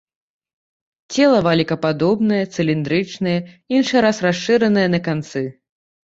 Цела валікападобнае, цыліндрычнае, іншы раз расшыранае на канцы.